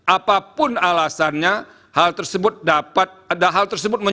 apapun alasannya hal tersebut dapat menyebabkan pemilu tidak bisa mencapai hasil